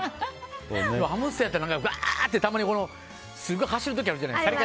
ハムスターやったらうわーって、たまにすごい走る時あるじゃないですか。